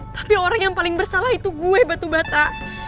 tapi orang yang paling bersalah itu gue batu bata